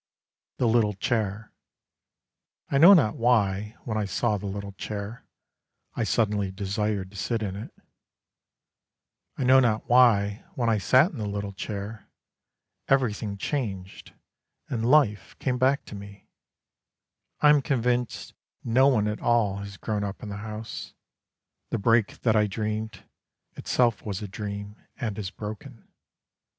THE LITTLE CHAIR I know not why, when I saw the little chair, I suddenly desired to sit in it. I know not why, when I sat in the little chair, Everything changed, and life came back to me. I am convinced no one at all has grown up in the house, The break that I dreamed, itself was a dream and is broken.